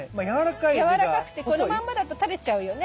やわらかくてこのまんまだと垂れちゃうよね。